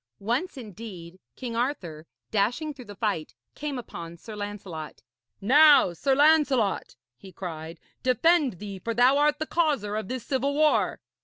Once, indeed, King Arthur, dashing through the fight, came upon Sir Lancelot. 'Now, Sir Lancelot,' he cried, 'defend thee, for thou art the causer of this civil war.'